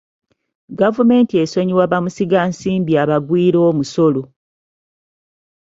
Gavumenti esonyiwa bamusigansimbi abagwira musolo.